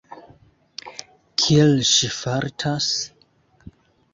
Kiel ŝi fartas?